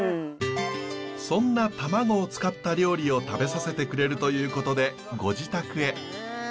そんな卵を使った料理を食べさせてくれるということでご自宅へ。